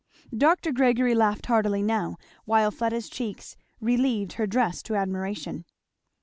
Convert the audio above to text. Dr. Gregory laughed heartily now, while Fleda's cheeks relieved her dress to admiration.